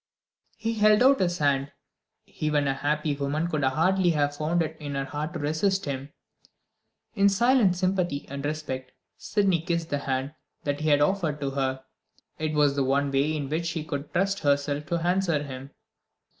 He held out his hand. Even a happy woman could hardly have found it in her heart to resist him. In silent sympathy and respect, Sydney kissed the hand that he had offered to her. It was the one way in which she could trust herself to answer him.